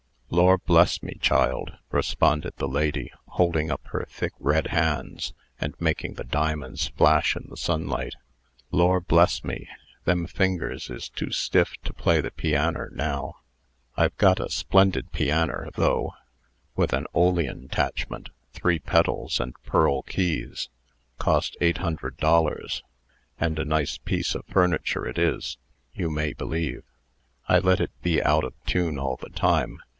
"Lor' bless me, child!" responded the lady, holding up her thick, red hands, and making the diamonds flash in the sunlight; "Lor' bless me! them fingers is too stiff to play the pianner now. I've got a splendid pianner, though, with an oleon 'tachment, three pedals, and pearl keys cost eight hundred dollar; and a nice piece of furniture it is, you may believe. I let it be out of tune all the time.